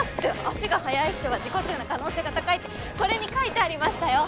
足が速い人は自己中な可能性が高いってこれに書いてありましたよ！